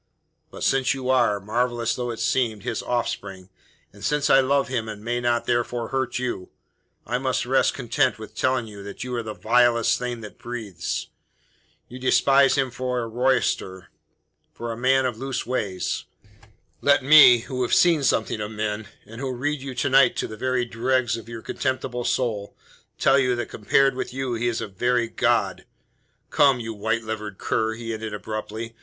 But since you are marvellous though it seem his offspring, and since I love him and may not therefore hurt you, I must rest content with telling you that you are the vilest thing that breathes. You despise him for a roysterer, for a man of loose ways. Let me, who have seen something of men, and who read you to night to the very dregs of your contemptible soul, tell you that compared with you he is a very god. Come, you white livered cur!" he ended abruptly.